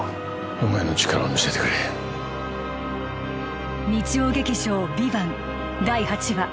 お前の力を見せてくれ撃てー！